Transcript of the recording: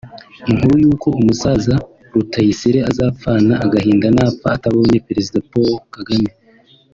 Inkuru y’uko umusaza Rutayisire azapfana agahinda napfa atabonye Perezida Paul Kagame